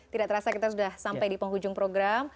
tidak terasa kita sudah sampai di penghujung program